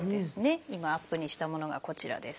今アップにしたものがこちらです。